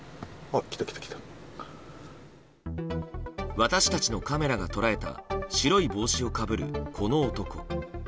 私たちのカメラが捉えた白い帽子をかぶるこの男。